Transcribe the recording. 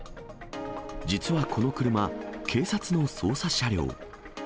実はこの車、警察の捜査車両。